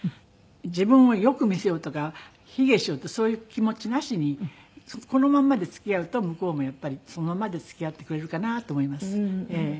自分をよく見せようとか卑下しようってそういう気持ちなしにこのまんまで付き合うと向こうもやっぱりそのままで付き合ってくれるかなと思います。